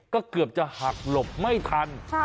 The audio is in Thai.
ก็เกือบจะหักหลบไม่ทัน